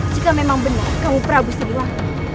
jika memang benar kamu prabu siliwangi